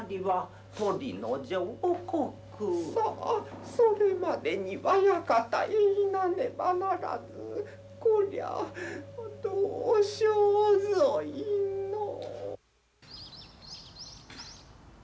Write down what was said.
「さあそれまでにわやかたいいなればならずこりゃどうしようぞいのう」。